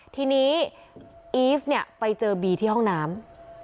ทีนี้อีฟเนี่ยไปเจอบีที่ห้องน้ำ